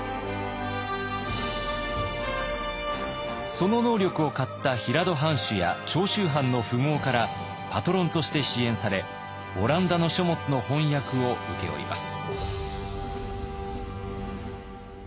その能力を買った平戸藩主や長州藩の富豪からパトロンとして支援されオランダの書物の翻訳を請け負います。